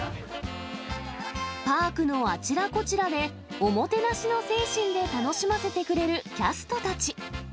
パークのあちらこちらで、おもてなしの精神で楽しませてくれるキャストたち。